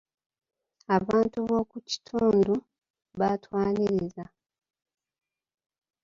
Abantu b'oku kitundu baatwanirizza.